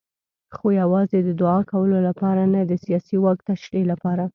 خو یوازې د دوعا کولو لپاره نه د سیاسي واک تشریح لپاره.